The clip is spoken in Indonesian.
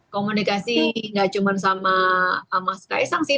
komunikasi gak cuma sama mas kaisang sih